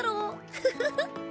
フフフ。